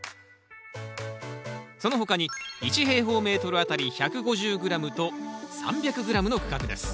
その他に１あたり１５０ｇと３００ｇの区画です。